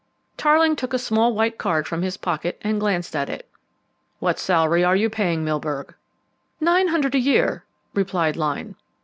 Tarling took a small white card from his pocket and glanced at it. "What salary are you paying Milburgh?" "Nine hundred a year," replied Lyne.